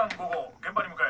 現場に向かえ。